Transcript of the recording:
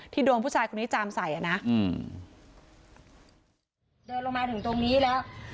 โดนผู้ชายคนนี้จามใส่อ่ะนะอืมเดินลงมาถึงตรงนี้แล้ว